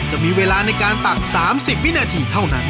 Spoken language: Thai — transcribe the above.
จะมีเวลาในการตัก๓๐วินาทีเท่านั้น